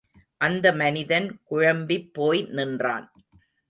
அந்த மனிதன் குழம்பிப் போய் நின்றான்.